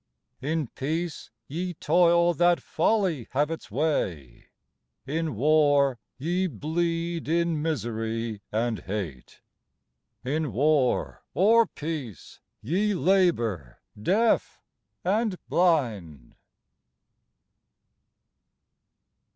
In peace, ye toil that folly have its way; In war, ye bleed in misery and hate; In war or peace, ye labor deaf and blind.